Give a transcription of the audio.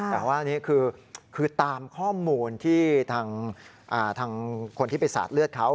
แต่ว่าอันนี้คือตามข้อมูลที่ทางคนที่ไปสาดเลือดเขา